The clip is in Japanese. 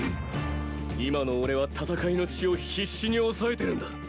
今の俺は戦いの血を必死に抑えてるんだ。